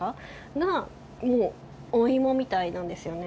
がもうおイモみたいなんですよね。